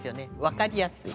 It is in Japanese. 分かりやすい。